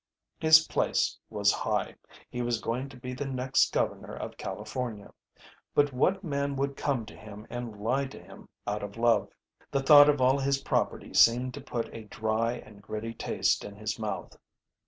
His place was high. He was going to be the next governor of California. But what man would come to him and lie to him out of love? The thought of all his property seemed to put a dry and gritty taste in his mouth.